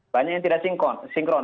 banyak yang tidak sinkron